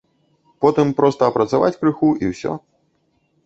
Потым проста апрацаваць крыху і ўсё.